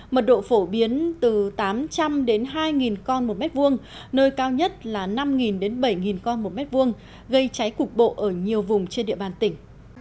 mật độ phổ biến từ tám trăm linh đến hai con một mét vuông nơi cao nhất là năm đến bảy con một mét vuông gây cháy cục bộ ở nhiều vùng trên địa bàn tỉnh